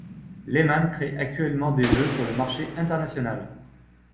Lehmann crée actuellement des jeux pour le marché international.